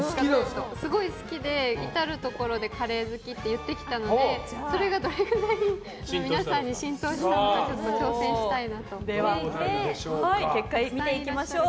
すごい好きで、至るところでカレー好きって言ってきたのでそれが、どれくらい皆さんに浸透したのかでは結果見ていきましょう。